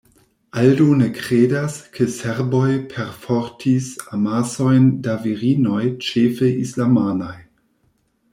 Aldo ne kredas, ke serboj perfortis amasojn da virinoj ĉefe islamanaj.